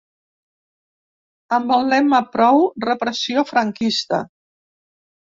Amb el lema Prou repressió franquista.